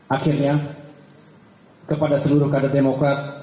akhirnya kepada seluruh kader demokrat